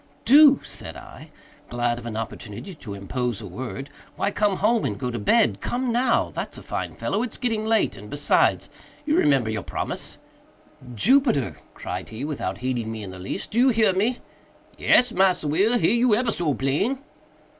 "Do!" said I, glad of an opportunity to interpose a word, "why come home and go to bed. Come now!—that's a fine fellow. It's getting late, and, besides, you remember your promise." "Jupiter," cried he, without heeding me in the least, "do you hear me?" "Yes, Massa Will, hear you ebber so plain."